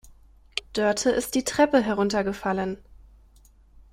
Dörte ist die Treppe heruntergefallen.